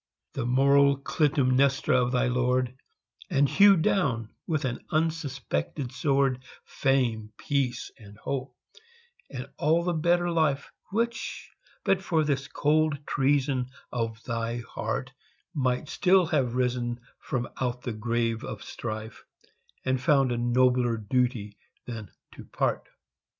The moral Clytemnestra of thy lord, And hewed down, with an unsuspected sword, Fame, peace, and hope and all the better life Which, but for this cold treason of thy heart, Might still have risen from out the grave of strife, And found a nobler duty than to part.